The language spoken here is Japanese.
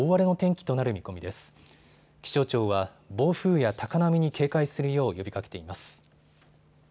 気象庁は暴風や高波に警戒するよう呼びかけています。